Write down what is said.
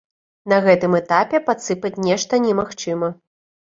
На гэтым этапе падсыпаць нешта немагчыма.